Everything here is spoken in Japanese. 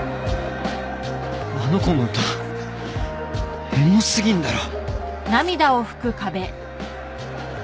あの子の歌エモすぎんだろ